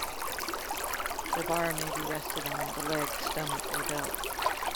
The bar may be rested on the legs, stomach, or belt.